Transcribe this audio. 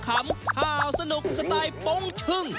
ข้าวสนุกสไตล์ป้องชึ้ง